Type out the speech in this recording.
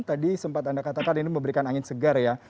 tadi sempat anda katakan ini memberikan angin segar ya